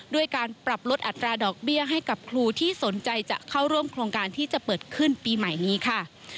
ด้วยการปรับลดอัตราดอกเบี้ยให้กับครูที่สนใจจะเข้าร่วมโครงการที่จะเปิดขึ้นปีใหม่นี้ค่ะ